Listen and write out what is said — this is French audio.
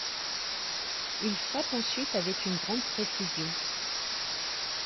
Il frappe ensuite avec une grande précision.